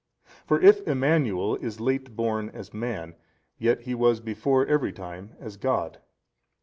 For if Emmanuel is late born as man, yet was He before every time as God.